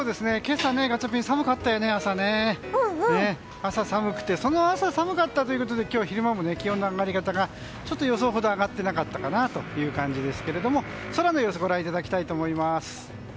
朝寒くてその朝、寒かったということで今日昼間も気温の上がり方が予想ほど上がっていなかったかなという感じですけど空の様子ご覧いただきたいと思います。